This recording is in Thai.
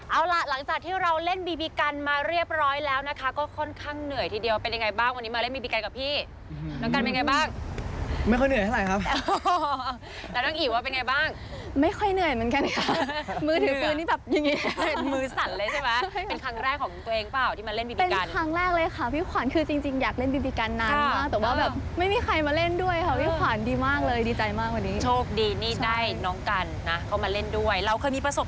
เอาล่ะหลังจากที่เราเล่นบีบีกันมาเรียบร้อยแล้วนะคะก็ค่อนข้างเหนื่อยทีเดียวเป็นยังไงบ้างวันนี้มาเล่นบีบีกันกับพี่น้องกันเป็นยังไงบ้างไม่ค่อยเหนื่อยเท่าไหร่ครับแต่น้องอิวว่าเป็นยังไงบ้างไม่ค่อยเหนื่อยเหมือนกันนะคะมือถือฟื้นนี่แบบอย่างงี้มือสั่นเลยใช่ไหมเป็นครั้งแรกของตัวเองเปล่าที่มาเล่นบีบ